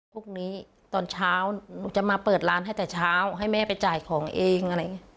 พรุ่งนี้ตอนเช้าหนูจะมาเปิดร้านให้แต่เช้าให้แม่ไปจ่ายของเอง